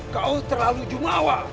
kau terlalu jumawa